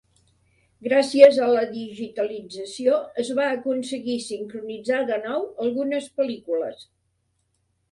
Gràcies a la digitalització, es va aconseguir sincronitzar de nou algunes pel·lícules.